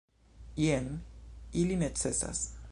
Jen, ili necesas.